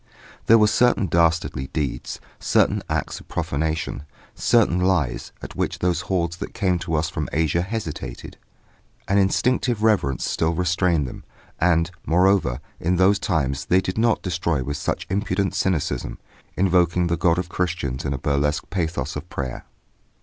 There were certain dastardly deeds, certain acts of profanation, certain lies, at which those hordes that came to us from Asia hesitated; an instinctive reverence still restrained them; and, moreover, in those times they did not destroy with such impudent cynicism, invoking the God of Christians in a burlesque pathos of prayer!